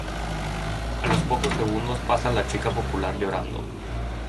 A los pocos segundos pasa la chica popular llorando.